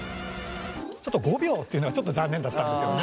ちょっと５秒っていうのがちょっと残念だったんですけどね。